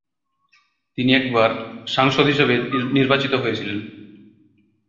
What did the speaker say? তিনি একবার সাংসদ হিসেবে নির্বাচিত হয়েছিলেন।